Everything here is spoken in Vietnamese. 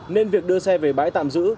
nên việc đưa xe về bãi tạm giữ